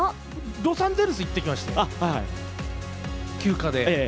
ロサンゼルス行ってきまして、休暇で。